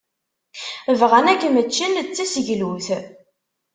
Bɣan ad kem-ččen d taseglut.